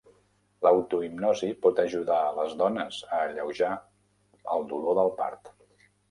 L'autohipnosi pot ajudar les dones a alleujar el dolor del part.